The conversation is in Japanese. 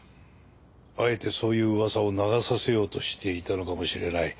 あえてそういううわさを流させようとしていたのかもしれない。